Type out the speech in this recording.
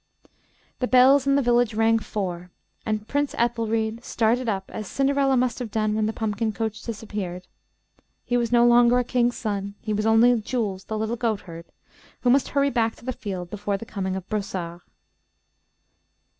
The bells in the village rang four, and Prince Ethelried started up as Cinderella must have done when the pumpkin coach disappeared. He was no longer a king's son; he was only Jules, the little goatherd, who must hurry back to the field before the coming of Brossard.